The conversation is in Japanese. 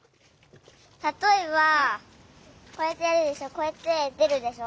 たとえばこうやってやるでしょこうやってでるでしょ？